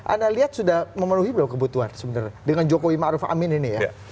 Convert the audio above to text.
anda lihat sudah memenuhi belum kebutuhan sebenarnya dengan jokowi ma'ruf amin ini ya